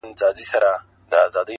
سردارانو يو د بل وهل سرونه!.